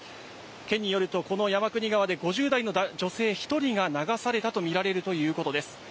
県によると、この山国川で５０代の女性１人が流されたと見られるということです。